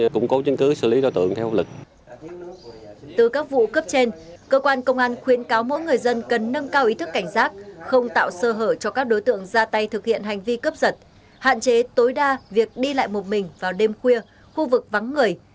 công an khuyến cáo mỗi người dân cần nâng cao ý thức cảnh giác không tạo sơ hở cho các đối tượng ra tay thực hiện hành vi cấp dật hạn chế tối đa việc đi lại một mình vào đêm khuya khu vực vắng người